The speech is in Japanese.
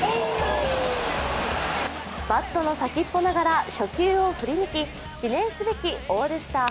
バットの先っぽながら初球を振り抜き記念すべきオールスター